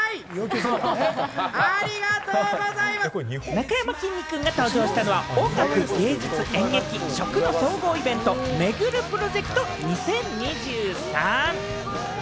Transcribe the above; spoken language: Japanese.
なかやまきんに君が登場したのは、音楽、芸術、演劇、食の総合イベント、メグルプロジェクト２０２３。